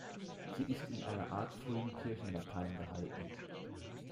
Sie ist in einer Art frühem Kirchenlatein gehalten.